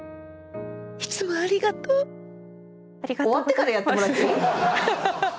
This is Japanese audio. ありがとう終わってからやってもらってイイ？